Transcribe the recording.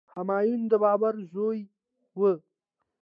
همایون د بابر زوی و.